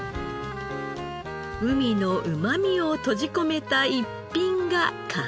海のうまみを閉じ込めた逸品が完成。